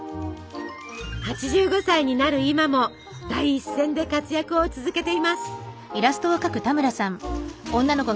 ８５歳になる今も第一線で活躍を続けています。